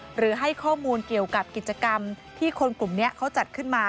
หรือให้ข้อมูลเกี่ยวกับกิจกรรมที่คนกลุ่มนี้เขาจัดขึ้นมา